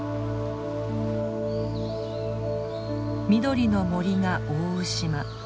緑の森が覆う島。